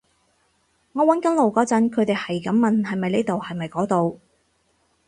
我搵緊路嗰陣，佢哋喺咁問係咪呢度係咪嗰度